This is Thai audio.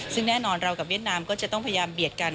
ซึ่งแน่นอนเรากับเวียดนามก็จะต้องพยายามเบียดกัน